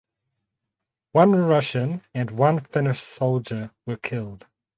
One Russian and one Finnish soldier were killed.